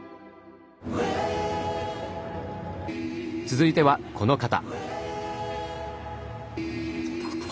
続いてはこの方。